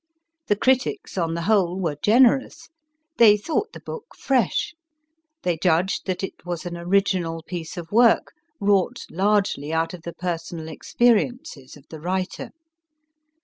The critics on the whole were generous. They thought the book fresh. They judged that it was an original piece of work wrought largely out of the personal experiences of the writer.